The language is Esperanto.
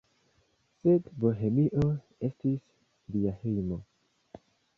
Sed Bohemio estis lia hejmo.